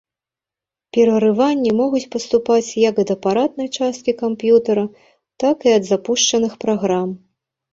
Перарыванні могуць паступаць як ад апаратнай часткі камп'ютара, так і ад запушчаных праграм.